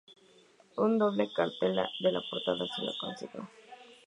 Una doble cartela en la portada así lo consigna.